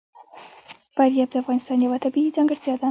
فاریاب د افغانستان یوه طبیعي ځانګړتیا ده.